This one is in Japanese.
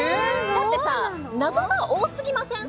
だってさ謎が多すぎません？